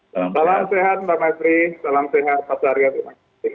salam sehat mbak mastri salam sehat pak syaril